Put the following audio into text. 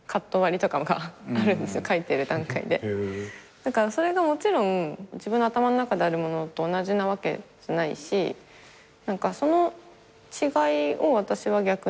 だからそれがもちろん自分の頭の中であるものと同じなわけじゃないしその違いを私は逆に楽しめてて。